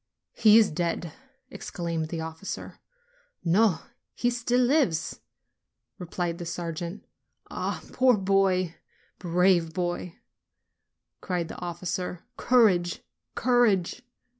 "He is dead!" exclaimed the officer. "No, he still lives !" replied the sergeant. "Ah, poor boy! brave boy!" cried the officer. "Courage, courage!"